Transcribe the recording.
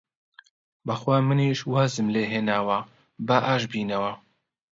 بەخوا منیش وازم لێ هێناوە، با ئاشت بینەوە!